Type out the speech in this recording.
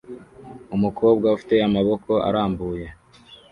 Umukobwa ufite amaboko arambutse